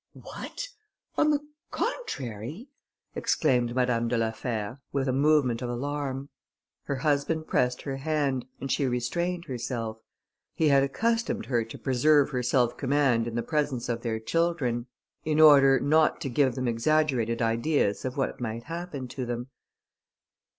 "What! on the contrary?" exclaimed Madame de la Fère, with a movement of alarm. Her husband pressed her hand, and she restrained herself. He had accustomed her to preserve her self command in the presence of their children, in order not to give them exaggerated ideas of what might happen to them.